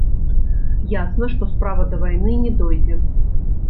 Ясна, што справа да вайны не дойдзе.